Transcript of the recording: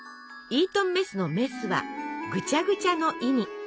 イートンメスの「メス」は「ぐちゃぐちゃ」の意味。